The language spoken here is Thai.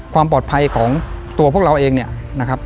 ความปลอดภัยของตัวพวกเราเองเนี่ยนะครับ